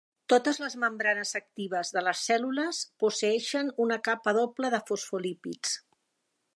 Totes les membranes actives de les cèl·lules posseïxen una capa doble de fosfolípids.